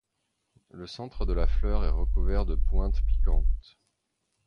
Le centre de la fleur est recouvert de pointes piquantes.